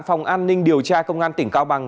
phòng an ninh điều tra công an tỉnh cao bằng